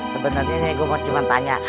sebenarnya gue cuma mau tanya